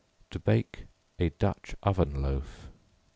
To Bake a Dutch oven Loaf.